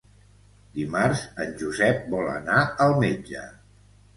Dimarts en Josep vol anar al metge.